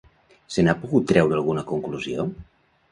Se n'ha pogut treure alguna conclusió?